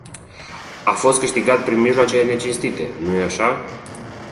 A fost câștigat prin mijloace necinstite, nu-i așa?